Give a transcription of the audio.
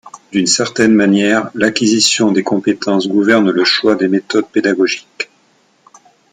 D’une certaine manière, l’acquisition des compétences gouverne le choix des méthodes pédagogiques.